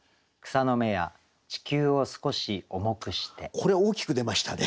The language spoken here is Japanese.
これ大きく出ましたね。